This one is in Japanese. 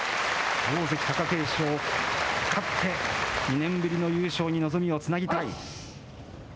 大関・貴景勝、勝って、２年ぶりの優勝へ望みをつなぎたい。